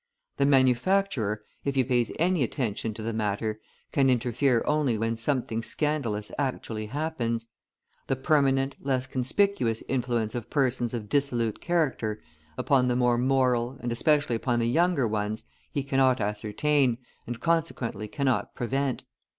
The manufacturer, if he pays any attention to the matter, can interfere only when something scandalous actually happens; the permanent, less conspicuous influence of persons of dissolute character, upon the more moral, and especially upon the younger ones, he cannot ascertain, and consequently cannot prevent.